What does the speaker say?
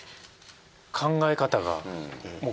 考え方が。